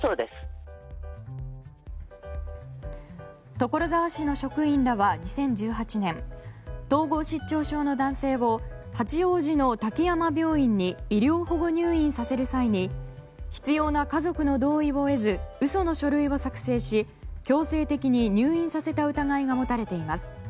所沢市の職員らは２０１８年統合失調症の男性を、八王子の滝山病院に医療保護入院させる際に必要な家族の同意を得ず嘘の書類を作成し強制的に入院させた疑いが持たれています。